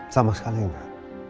sama sekali enggak